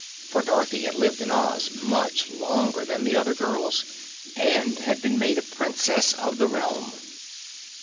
For Dorothy had lived in Oz much longer than the other girls and had been made a Princess of the realm.